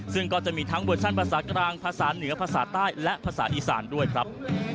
ซึ่งก็จะมีทั้งเวอร์ชั่นภาษากลางภาษาเหนือภาษาใต้และภาษาอีสานด้วยครับ